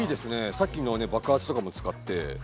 さっきのね爆発とかも使って。